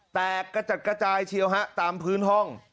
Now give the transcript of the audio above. กระจัดกระจายเชียวฮะตามพื้นห้อง